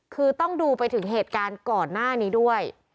คือต้องดูไปถึงเหตุการณ์ก่อนหน้านี้ด้วย